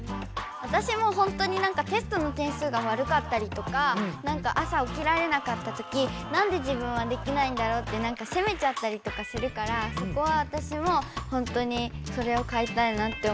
わたしもほんとになんかテストの点数がわるかったりとかなんか朝おきられなかったときなんで自分はできないんだろうってせめちゃったりとかするからそこはわたしもほんとにそれをかえたいなって思ってるんですけど。